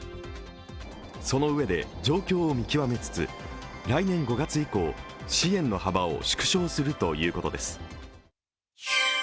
そのうえで状況を見極めつつ来年５月以降、支援の幅を縮小するということです。